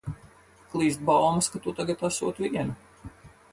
Klīst baumas, ka tu tagad esot viena.